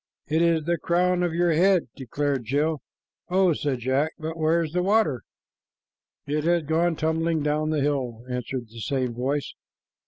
"It is the crown of your head," declared Jill. "Oh!" said Jack; "but where's the water?" "It has gone tumbling down the hill," answered the same voice.